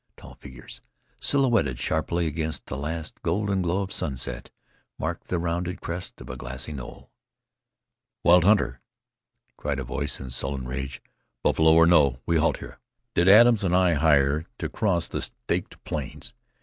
Tall figures, silhouetted sharply against the last golden glow of sunset, marked the rounded crest of a grassy knoll. "Wild hunter!" cried a voice in sullen rage, "buffalo or no, we halt here. Did Adams and I hire to cross the Staked Plains?